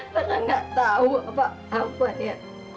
karena nggak tahu apa apa ya